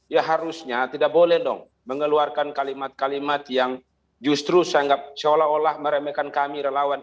ya harusnya tidak boleh dong mengeluarkan kalimat kalimat yang justru saya anggap seolah olah meremehkan kami relawan